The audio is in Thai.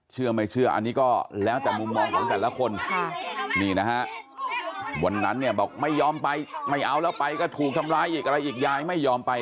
เชื่อไม่เชื่ออันนี้ก็แล้วแต่มุมมองของแต่ละคนนี่นะฮะวันนั้นเนี่ยบอกไม่ยอมไปไม่เอาแล้วไปก็ถูกทำร้ายอีกอะไรอีกยายไม่ยอมไป